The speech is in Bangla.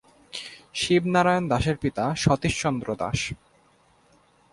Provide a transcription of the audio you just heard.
শিবনারায়ণ দাসের পিতা সতীশচন্দ্র দাশ।